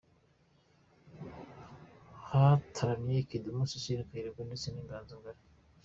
hataramye Kidum, Cecile Kayirebwa ndetse n’Inganzo Ngari.